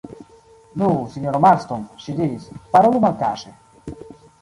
Nu, sinjoro Marston, ŝi diris, parolu malkaŝe.